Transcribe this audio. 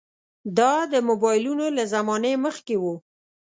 دا د موبایلونو له زمانې مخکې وو.